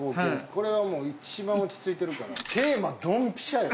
これはもう一番落ち着いてるから。